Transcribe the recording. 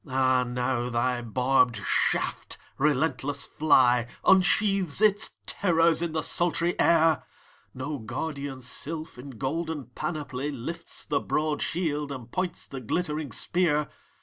—Ah now thy barbed shaft, relentless fly, Unsheaths its terrors in the sultry air! No guardian sylph, in golden panoply, Lifts the broad shield, and points the glittering spear.